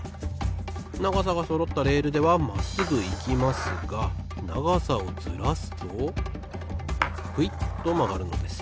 ながさがそろったレールではまっすぐいきますがながさをずらすとクイッとまがるのです。